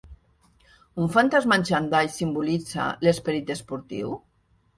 Un fantasma en xandall simbolitza l'esperit esportiu?